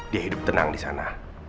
dia hidup tenang di sana